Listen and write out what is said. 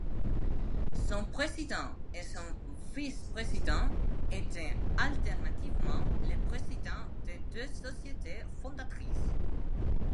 Son président et son vice-président étaient alternativement les présidents des deux sociétés fondatrices.